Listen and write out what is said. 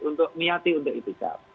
untuk niati untuk ikhtikaf